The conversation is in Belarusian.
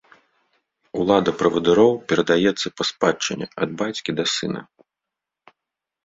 Улада правадыроў перадаецца па спадчыне ад бацькі да сына.